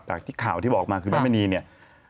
จากที่ข่าวที่บอกมาคือแม่มณีเนี่ย